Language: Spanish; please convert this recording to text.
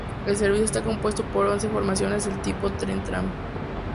El servicio está compuesto por once formaciones del tipo tren-tram.